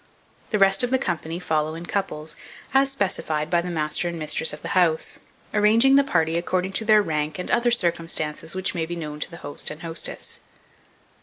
The rest of the company follow in couples, as specified by the master and mistress of the house, arranging the party according to their rank and other circumstances which may be known to the host and hostess.